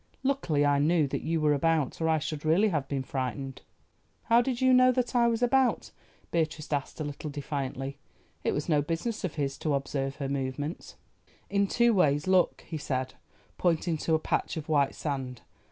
Luckily I knew that you were about or I should really have been frightened." "How did you know that I was about?" Beatrice asked a little defiantly. It was no business of his to observe her movements. "In two ways. Look!" he said, pointing to a patch of white sand.